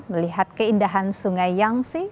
melihat keindahan sungai yangsi